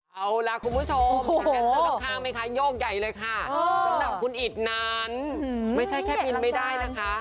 เอาล่ะคุณผู้ชมข้างมีค่ะโยกใหญ่เลยค่ะคุณอิทนั้นไม่ใช่แค่มีไม่ได้นะคะ